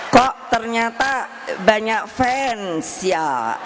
kok ternyata banyak fans ya